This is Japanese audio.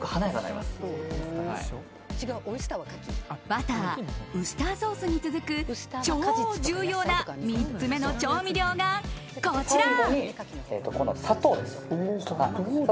バター、ウスターソースに続く超重要な３つ目の調味料がこちら。